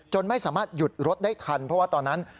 ไม่สามารถหยุดรถได้ทันเพราะว่าตอนนั้น